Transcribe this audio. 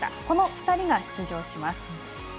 この２人が出場します。